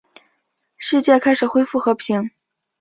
世界开始恢复和平。